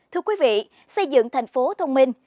thưa quý vị xây dựng thành phố thông minh